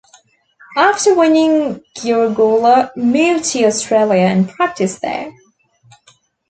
After winning, Giurgola moved to Australia and practiced there.